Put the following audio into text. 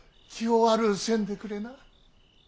気を悪うせんでくれな。